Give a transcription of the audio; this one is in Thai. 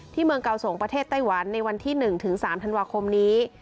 เมืองเกาสงประเทศไต้หวันในวันที่๑ถึง๓ธันวาคมนี้